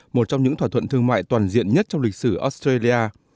một trong những thỏa thuận thương mại toàn diện nhất trong lịch sử australia